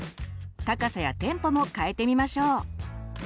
高さやテンポも変えてみましょう。